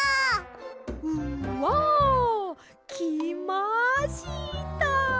うわきました！